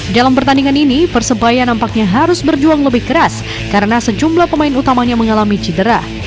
dalam pertandingan ini persebaya nampaknya harus berjuang lebih keras karena sejumlah pemain utamanya mengalami cedera